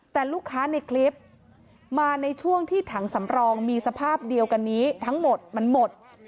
แต่ลูกค้าในคลิปมาในช่วงที่ถังสำรองมีสภาพเดียวกันนี้ทั้งหมดมันหมด